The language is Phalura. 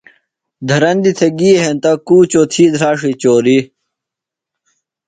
دھرندیۡ تھےۡ گی ہنتہ، کُوچوۡ تھی دھراڇی چوریۡ